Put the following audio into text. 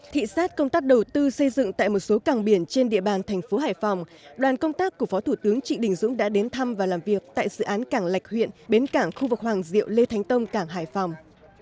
thị sát công tác đầu tư xây dựng tại một số cảng biển trên địa bàn thành phố hải phòng đoàn công tác của phó thủ tướng trịnh đình dũng đã đến thăm và làm việc tại dự án cảng lạch huyện bến cảng khu vực hoàng diệu lê thánh tông cảng hải phòng